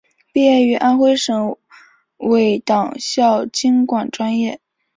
毕业于安徽省委党校经管专业。